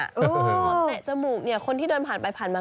เจ๊จมูกคนที่เดินผ่านไปผ่านมา